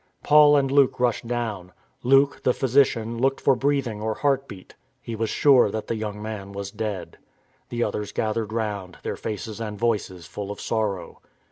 Paul and Luke rushed down. Luke, the physician, looked for breathing or heartbeat. He was sure that the young man was dead. The others gathered round, their faces and voices full of sorrow.